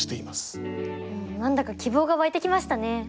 何だか希望が湧いてきましたね。